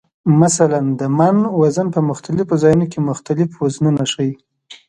مثلا د "من" وزن په مختلفو ځایونو کې مختلف وزنونه ښیي.